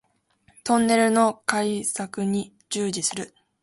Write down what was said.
トンネルの開削に従事する